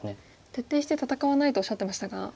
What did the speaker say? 徹底して戦わないとおっしゃってましたが。